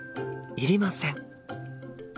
いりません。